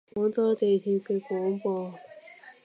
廣州地鐵嘅廣播